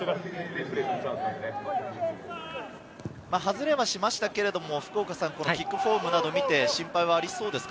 外れはしましたけれども、キックフォームなどを見て、心配はありそうですか？